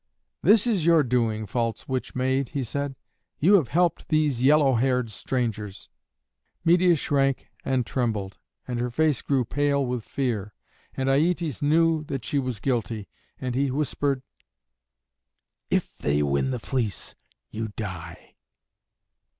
"This is your doing, false witch maid," he said; "you have helped these yellow haired strangers." Medeia shrank and trembled, and her face grew pale with fear, and Aietes knew that she was guilty, and he whispered, "If they win the fleece, you die."